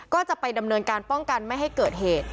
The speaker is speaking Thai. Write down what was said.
ก็จะไปดำเนินการป้องกันไม่ให้เกิดเหตุ